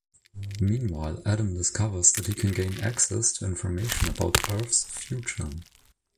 Meanwhile, Adam discovers that he can gain access to information about Earth's future.